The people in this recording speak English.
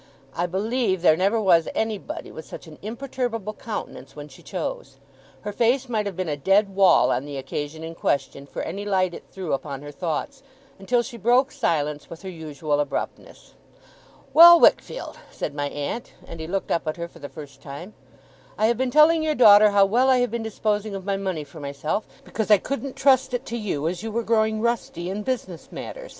I believe there never was anybody with such an imperturbable countenance when she chose. Her face might have been a dead wall on the occasion in question, for any light it threw upon her thoughts; until she broke silence with her usual abruptness. 'Well, Wickfield!' said my aunt; and he looked up at her for the first time. 'I have been telling your daughter how well I have been disposing of my money for myself, because I couldn't trust it to you, as you were growing rusty in business matters.